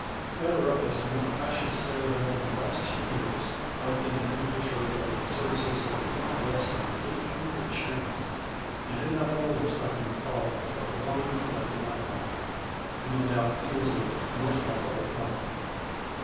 At a rough estimate I should say that in the last ten years I have been the beneficiary of the services of not less than eight hundred chairmen, and in that whole list I can recall but one that I did not like, and no doubt he was a most likable fellow.